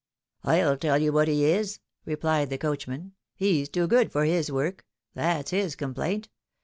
" I'll tell you what he is," replied the coachman :" he's too good for his work. That's his complaint.